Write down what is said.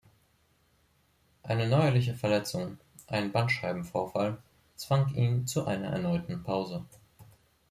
Eine neuerliche Verletzung, ein Bandscheibenvorfall, zwang ihn zu einer erneuten Pause.